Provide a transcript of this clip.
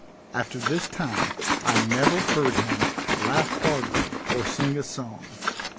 After this time I never heard him laugh heartily, or sing a song.